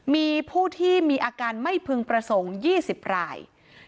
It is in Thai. มีผู้ที่มีอาการไม่พึงประสงค์๒๐ราย